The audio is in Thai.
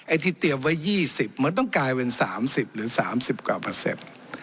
ที่เตรียมไว้๒๐มันต้องกลายเป็น๓๐หรือ๓๐กว่าเปอร์เซ็นต์